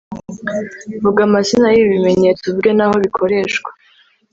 vuga amazina y'ibi bimenyetso uvuge n'ahobikoreshwa